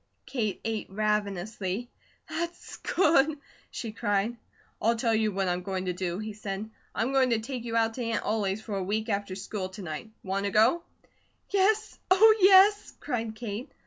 Kate ate ravenously. "That's good!" she cried. "I'll tell you what I'm going to do," he said. "I'm going to take you out to Aunt Ollie's for a week after school to night. Want to go?" "Yes! Oh, yes!" cried Kate.